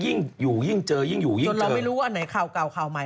ยิ่งอยู่ยิ่งเจอยิ่งจนเราไม่รู้ว่าไหนค่าวเก่าค่าวใหม่